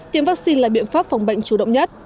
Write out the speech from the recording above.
tiêm vaccine là biện pháp phòng bệnh chủ động nhất